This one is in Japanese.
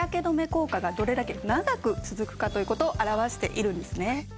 効果がどれだけ長く続くかという事を表しているんですね。